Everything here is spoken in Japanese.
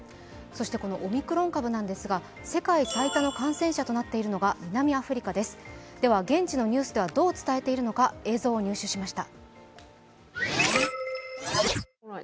オミクロン株なんですが世界最多の感染者となっているのが南アフリカです、現地のニュースではどう伝えているのか映像を入手しました。